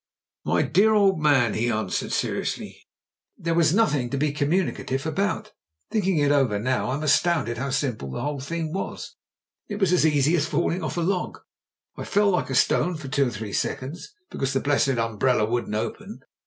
"My dear old man," he answered, seriously, "there was nothing to be communicative about. Thinking it over now, I am astounded how simple the whole thing 144 MEN, WOMEN AND GUNS was. It was as easy as falling off a log. I fell like a stone for two or three seconds, because the blessed umbrella wouldn't open.